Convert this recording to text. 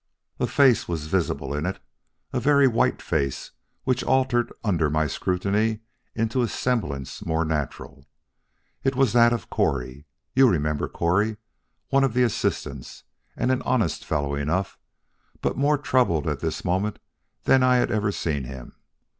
A face was visible in it a very white face which altered under my scrutiny into a semblance more natural. It was that of Correy you remember Correy, one of the assistants, and an honest fellow enough, but more troubled at this moment than I had ever seen him.